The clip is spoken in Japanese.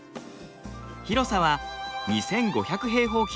広さは２，５００平方ｋｍ。